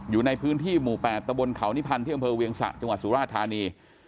อยู่ในพื้นที่หมู่๘ตะบนเขานิพันธ์ที่อำเภอเวียงสะจังหวัดสุราธานี